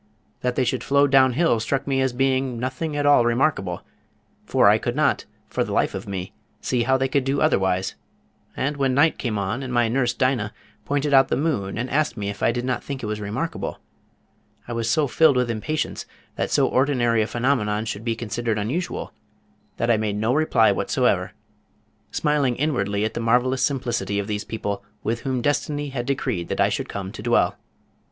That they should flow down hill struck me as being nothing at all remarkable, for I could not for the life of me see how they could do otherwise, and when night came on and my nurse, Dinah, pointed out the moon and asked me if I did not think it was remarkable, I was so filled with impatience that so ordinary a phenomenon should be considered unusual that I made no reply whatsoever, smiling inwardly at the marvelous simplicity of these people with whom destiny had decreed that I should come to dwell.